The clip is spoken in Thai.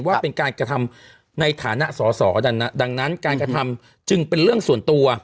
ว่าเป็นการกระทำในฐานะสอสอดังนั้นการกระทำจึงเป็นเรื่องส่วนตัว